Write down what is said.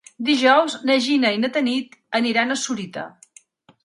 Dijous na Gina i na Tanit aniran a Sorita.